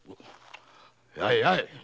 やいやい！